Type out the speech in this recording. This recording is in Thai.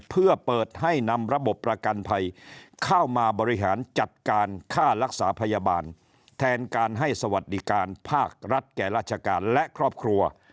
เพื่อเปิดให้นำระบบประกันภัยเข้ามาบริหารจัดการค่ารักษาพยาบาลแทนการให้สวัสดิการภาครัฐแก่ราชการและครอบครัว